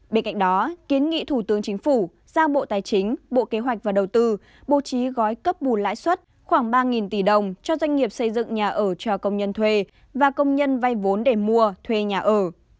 bên cạnh đó kiến nghị thủ tướng chính phủ giao bộ tài chính bộ kế hoạch và đầu tư bố trí gói cấp bù lãi suất khoảng ba tỷ đồng cho doanh nghiệp xây dựng nhà ở cho công nhân thuê và công nhân vay vốn để mua thuê nhà ở